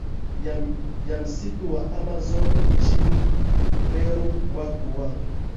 ya msitu wa Amazon nchini Peru watu wa